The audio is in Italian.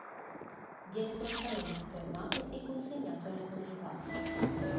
Viene prontamente fermato e consegnato alle autorità.